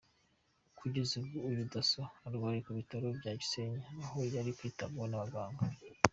Kugeza ubu uyu Dasso arwariye mu bitaro bya Gisenyi aho ari kwitabwaho n’abaganga.